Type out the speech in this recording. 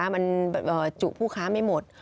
มันจุผู้ค้าไม่หมด